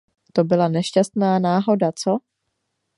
To byla nešťastná náhoda, co?